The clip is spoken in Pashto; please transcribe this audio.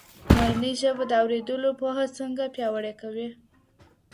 مورنۍ ژبه د اوريدلو پوهه څنګه پياوړې کوي؟